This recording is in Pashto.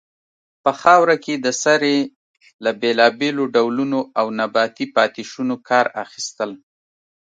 په خاوره کې د سرې له بیلابیلو ډولونو او نباتي پاتې شونو کار اخیستل.